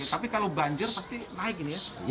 tapi kalau banjir pasti naik ini ya